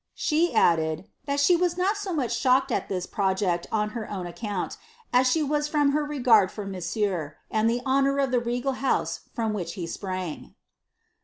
" She added, ^ thai she was not so much shocked at this project on her own account, as she was from her regard for nions ieur, and the lionour of the regal house from which he sprang."